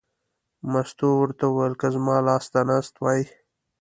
مستو ورته وویل: که زما لاس ته ناست وای.